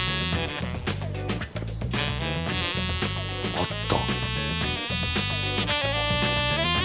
あった